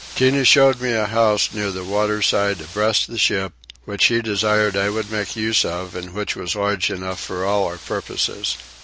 Tinah showed me a house near the waterside abreast the ship, which he desired I would make use of and which was large enough for all our purposes.